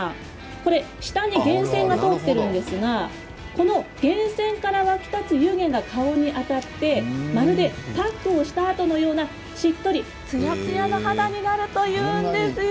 下に源泉が通っているんですがこの源泉から沸き立つ湯気が顔に当たってまるでパックをしたようなしっとりつやつやの肌になるというんですよ。